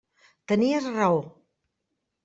Tenies raó.